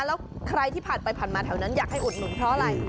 แล้วใครที่ผ่านไปผ่านมาแถวนั้นอยากให้อุดหนุนเพราะอะไร